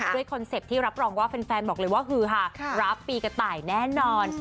คอนเซ็ปต์ที่รับรองว่าแฟนบอกเลยว่าฮือหารับปีกระต่ายแน่นอน